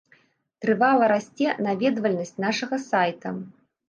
Трывала расце наведвальнасць нашага сайта.